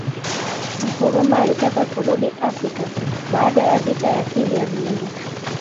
Nkrumah alitaka kurudi Afrika baada ya vita ya pili ya Dunia